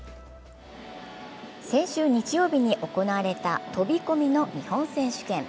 先週日曜日に行われた飛込の日本選手権。